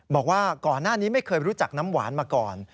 บอกว่าก่อนหน้านี้ไม่เคยรู้จักน้ำหวานมาก่อน